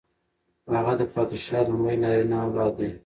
هغه د پادشاه لومړی نارینه اولاد دی.